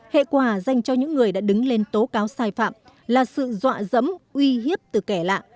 hệ quả dành cho những người đã đứng lên tố cáo sai phạm là sự dọa dẫm uy hiếp từ kẻ lạ